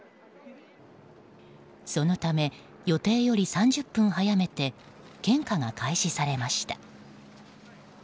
そのため、予定より３０分早めて献花が開始されました。